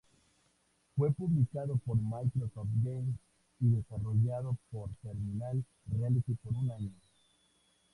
Fue publicado por Microsoft Games y desarrollado por Terminal Reality por un año.